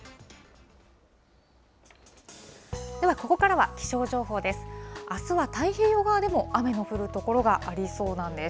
ではここからは気象情報です。